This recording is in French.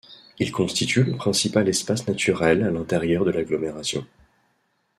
Il constitue le principal espace naturel à l'intérieur de l'agglomération.